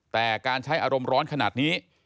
แต่การใช้อารมณ์ร้อนขนาดนี้